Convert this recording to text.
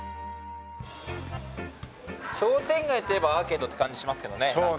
商店街といえばアーケードって感じしますけどねなんか。